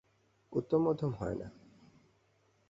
উত্তমমধ্যম হয় না।